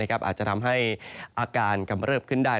อาจจะทำให้อาการกำเริบขึ้นได้